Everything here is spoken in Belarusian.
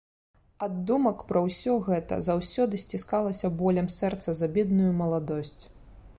Ад думак пра ўсё гэта заўсёды сціскалася болем сэрца за бедную маладосць.